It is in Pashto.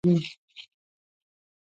او د لنډې نېزې په معنا یې ژباړلې ده.